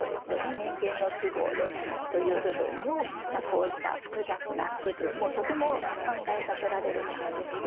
「人間の都合で」というこうした複雑な部分もとても考えさせられる番組で。